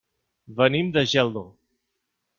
Venim de Geldo.